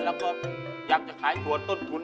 แล้วก็อยากจะขายตัวต้นทุน